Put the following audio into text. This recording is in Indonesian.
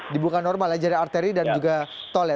dibuka normal ya jalan alteri dan juga tol ya